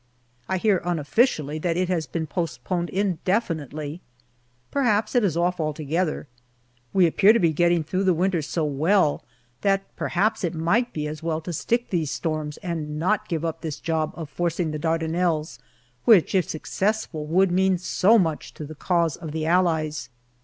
I hear unofficially that it has been postponed indefinitely. Perhaps it is off altogether. We appear to be getting through the winter so well, that perhaps it might be as well to stick these storms and not give up this job of forcing the Dardanelles, which if success ful would mean so much to the cause of the Allies.